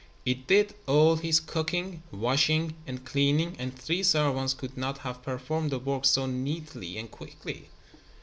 It did all his cooking, washing and cleaning, and three servants could not have performed the work so neatly and quickly.